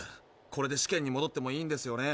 これで試験にもどってもいいんですよね？